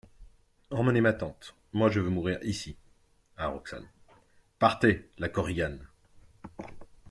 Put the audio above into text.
Emmenez ma tante : moi, je veux mourir ici ! (A Roxane.) Partez ! LA KORIGANE.